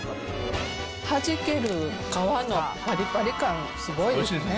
はじける皮のぱりぱり感、すごいですね。